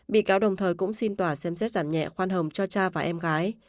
bị cáo đồng thời cũng xin tỏa xem xét giản nhẹ khoan hồng cho cha và em gái